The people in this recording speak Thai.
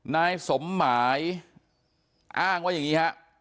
นายสมหมายอ้างว่าอย่างนี้ฮะ